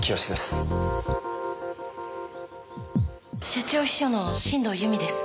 社長秘書の新藤由美です。